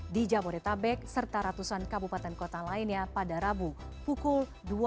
di jabodetabek serta ratusan kabupaten kota lainnya pada rabu pukul dua puluh